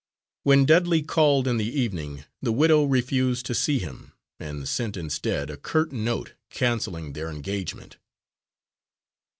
When Dudley called in the evening, the widow refused to see him, and sent instead, a curt note cancelling their engagement.